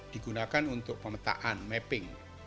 digunakan untuk pemetaan mapping